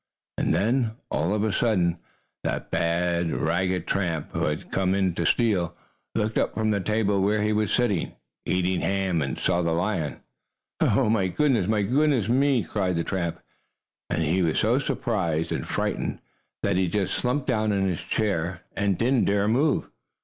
And then, all of a sudden, that bad, ragged tramp, who had come in to steal, looked up from the table where he was sitting, eating ham, and saw the lion. "Oh, my! Oh, my goodness me!" cried the tramp, and he was so surprised and frightened that he just slumped down in his chair and didn't dare move.